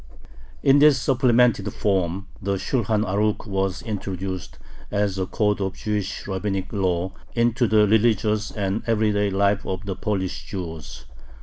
In this supplemented form the Shulhan Arukh was introduced, as a code of Jewish rabbinic law, into the religious and everyday life of the Polish Jews.